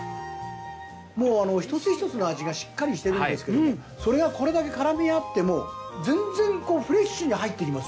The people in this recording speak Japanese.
もう一つ一つの味がしっかりしてるんですけどもそれがこれだけ絡み合っても全然フレッシュに入ってきますよね。